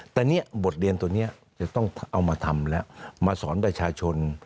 แต่เนี่ยบทเรียนตัวนี้จะต้องเอามาทำแล้วมาสอนประชาชน